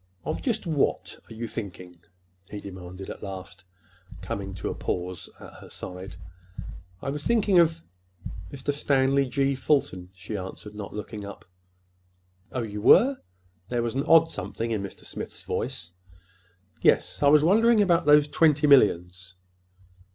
"Of just what—are you thinking?" he demanded at last, coming to a pause at her side. "I was thinking—of Mr. Stanley G. Fulton," she answered, not looking up. "Oh, you were!" There was an odd something in Mr. Smith's voice. "Yes. I was wondering—about those twenty millions."